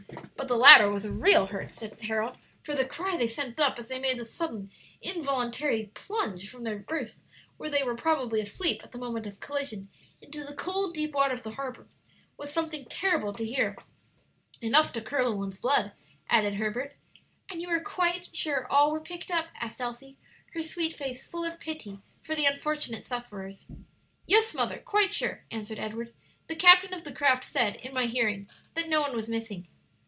"But the latter was a real hurt," said Harold; "for the cry they sent up as they made the sudden, involuntary plunge from their berths, where they were probably asleep at the moment of collision, into the cold, deep water of the harbor, was something terrible to hear." "Enough to curdle one's blood," added Herbert. "And you are quite sure all were picked up?" asked Elsie, her sweet face full of pity for the unfortunate sufferers. "Yes, mother, quite sure," answered Edward; "the captain of the craft said, in my hearing, that no one was missing."